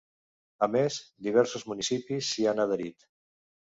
A més, diversos municipis s’hi han adherit.